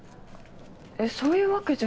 えっそういうわけじゃ。